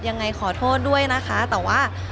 ยังไงขอโทษด้วยนะคะ